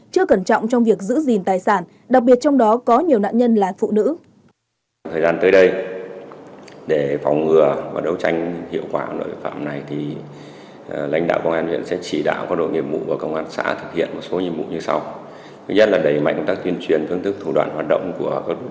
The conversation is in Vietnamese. chưa cẩn trọng trong việc giữ gìn tài sản đặc biệt trong đó có nhiều nạn nhân là phụ nữ